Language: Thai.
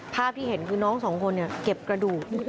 ภาพที่เห็นคือน้องสองคนเนี่ยเก็บกระดูก